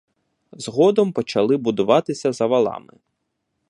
Згодом почали будуватися за валами.